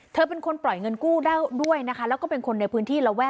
เธอเป็นคนปล่อยเงินกู้ได้ด้วยนะคะแล้วก็เป็นคนในพื้นที่ระแวก